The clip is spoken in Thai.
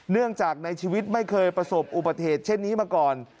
เนื่องจากในชีวิตไม่เคยประสบอุบัติเหตุเช่นนี้มาก่อน